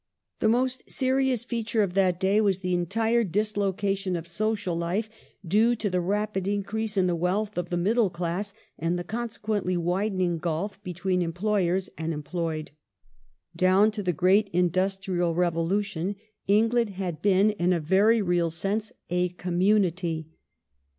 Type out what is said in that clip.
The most serious feature of that day was the entire dislocation of social life, due to the rapid increase in the wealth of the middle class and the consequently widening gulf between employers and employed. Down to the great industrial revolution England had been in a very real sense a corrmnubnity.